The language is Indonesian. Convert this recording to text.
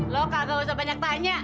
lo kagak usah banyak tanya